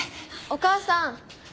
お母さん！